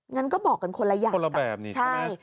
งั้นก็บอกกันคนละอย่างคนละแบบนี้ใช่ไหม